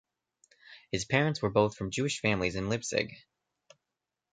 His parents were both from Jewish families in Leipzig.